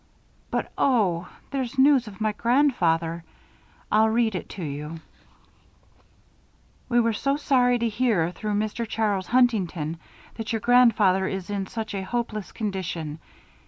But oh! Here's news of my grandfather. I'll read it to you: "'We were so sorry to hear, through Mr. Charles Huntington, that your grandfather is in such a hopeless condition.